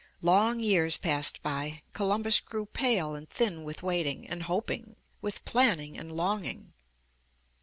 Long years passed by. Columbus grew pale and thin with waiting and hoping, with planning and longing.